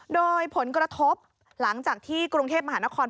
โดยผลกระทบหลังจากที่กรุงเทพมหานคร